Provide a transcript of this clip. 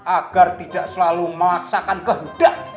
agar tidak selalu memaksakan kehudah